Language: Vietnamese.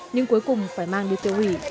nhưng cuối cùng phải mang được tiêu hủy